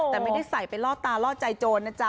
แต่ไม่ได้ใส่ไปล่อตาล่อใจโจรนะจ๊ะ